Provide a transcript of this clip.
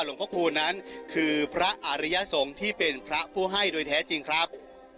หลวงพระคูณนั้นคือพระอาริยสงฆ์ที่เป็นพระผู้ให้โดยแท้จริงครับ